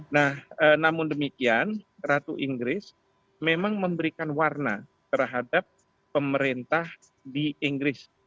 nah namun demikian ratu inggris memang memberikan warna terhadap pemerintah di inggris